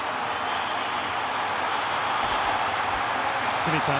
清水さん